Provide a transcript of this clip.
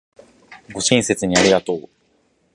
ご親切にありがとう